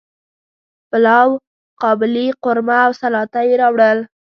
پلاو، قابلی، قورمه او سلاطه یی راوړل